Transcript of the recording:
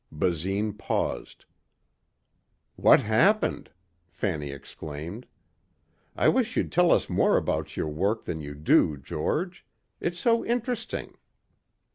Basine paused. "What happened?" Fanny exclaimed. "I wish you'd tell us more about your work than you do, George. It's so interesting."